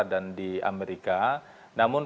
dan di amerika namun